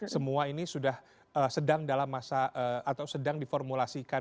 semua ini sudah sedang dalam masa atau sedang diformulasikan